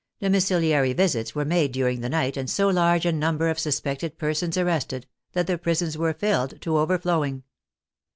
Domiciliary visits were made during the night, and so large a number of suspected persons arrested, that the prisons were filled to overflowing.